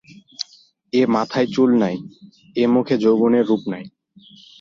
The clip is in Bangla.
এ মাথায় চুল নাই, এ মুখে যৌবনের রূপ নাই।